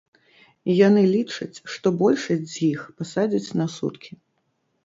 Яны лічаць, што большасць з іх пасадзяць на суткі.